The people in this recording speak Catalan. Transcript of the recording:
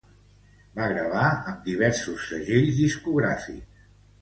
Va gravar amb diversos segells discogràfics.